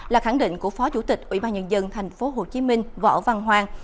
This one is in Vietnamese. là khẳng định của phó chủ tịch ủy ban nhân dân tp hcm võ văn hoàng